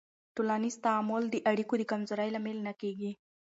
ټولنیز تعامل د اړیکو د کمزورۍ لامل نه کېږي.